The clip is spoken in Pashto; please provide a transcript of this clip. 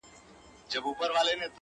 دنظم عنوان دی قاضي او څارنوال-